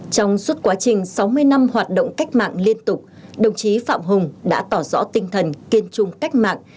trong suốt quá trình sáu mươi năm hoạt động cách mạng liên tục đồng chí phạm hùng đã tỏ rõ tinh thần kiên trung cách mạng